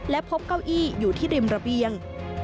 และพบเก้าอี้อยู่ที่ริมระเบียง